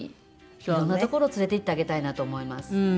いろんな所連れて行ってあげたいなと思います。